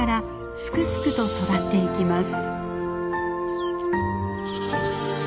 すくすくと育っていきます。